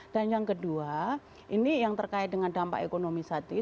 dan yang kedua ini yang terkait dengan dampak ekonomi satis